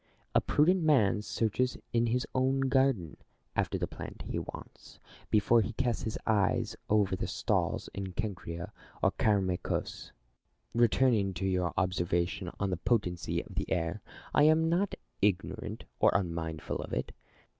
A prudent man searches in his own garden after the plant he wants, before he casts his eyes over the stalls in Kenkrea or Keramicos. Returning to your observation on the potency of the air, I am not ignorant or unmindful of it.